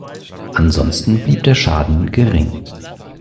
Ansonsten blieb der Schaden gering.